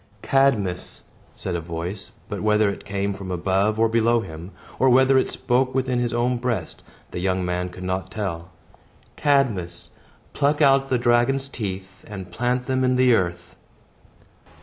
"Cadmus," said a voice but whether it came from above or below him, or whether it spoke within his own breast, the young man could not tell "Cadmus, pluck out the dragon's teeth, and plant them in the earth."